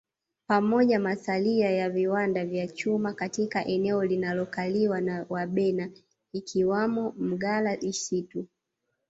Pamoja masalia ya viwanda vya chuma katika eneo linalokaliwa na Wabena ikiwamno Mgala Isitu